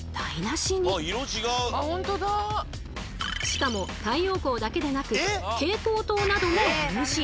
しかも太陽光だけでなく蛍光灯などもＮＧ。